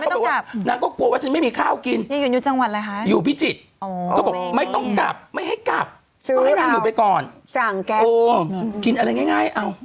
ไม่ต้องกลับนางก็กลัวว่าฉันไม่มีข้าวกินอยู่พิจิตย์ไม่ต้องกลับไม่ให้กลับต้องให้นางอยู่ไปก่อนกินอะไรง่าย